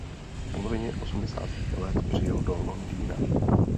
V polovině osmdesátých let přijel do Londýna.